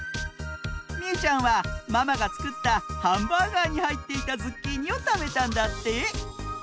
みうちゃんはママがつくったハンバーガーにはいっていたズッキーニをたべたんだって！